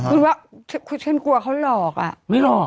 คุณว่าฉันกลัวเขาหลอก